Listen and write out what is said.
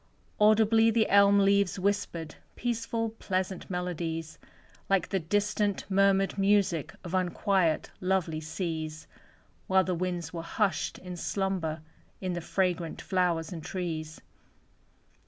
Audibly the elm leaves whispered Peaceful, pleasant melodies, Like the distant murmured music Of unquiet, lovely seas: While the winds were hushed in slumber In the fragrant flowers and trees.